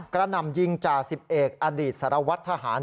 กระนำยิงจ่า๑๑อดีตสารวัฒนธหาร